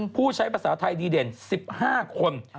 ผู้ใช้ภาษาไทยดีเด่น๑๕คน